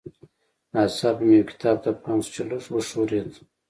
ناڅاپه مې یو کتاب ته پام شو چې لږ وښورېد